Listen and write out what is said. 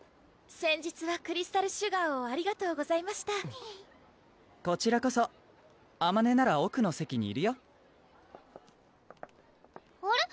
先日はクリスタルシュガーをありがとうございましたこちらこそあまねなら奥の席にいるよあれ？